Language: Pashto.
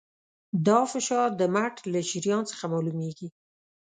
دا فشار د مټ له شریان څخه معلومېږي.